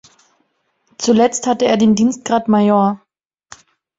Zuletzt hatte er den Dienstgrad Major.